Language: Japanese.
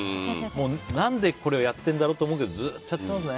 何でこれをやっているんだろうって思うけどずっとやってますね。